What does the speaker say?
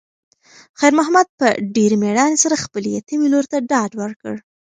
خیر محمد په ډېرې مېړانې سره خپلې یتیمې لور ته ډاډ ورکړ.